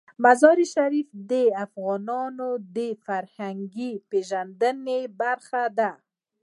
مزارشریف د افغانانو د فرهنګي پیژندنې برخه ده.